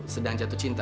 sedang jatuh cinta